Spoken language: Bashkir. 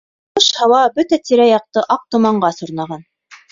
Еүеш һауа бөтә тирә-яҡты аҡ томанға сорнаған.